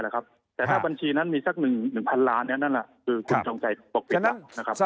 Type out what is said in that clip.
แต่ถ้าบัญชีนั้นมีสัก๑๐๐๐ล้านนั้นคือคุณช่องใจตกติดละ